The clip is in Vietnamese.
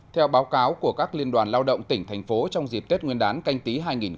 theo báo cáo của các liên đoàn lao động tỉnh thành phố trong dịp tết nguyên đán canh tí hai nghìn hai mươi